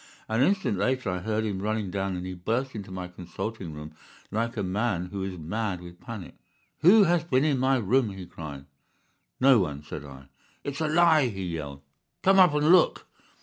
An instant later I heard him running down, and he burst into my consulting room like a man who is mad with panic. "'Who has been in my room?' he cried. "'No one,' said I. "'It's a lie! He yelled. 'Come up and look!